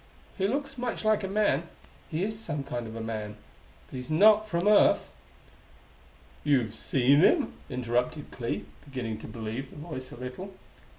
He looks much like a man; he is some kind of a man; but he's not from Earth " "You've seen him?" interrupted Clee, beginning to believe the Voice a little.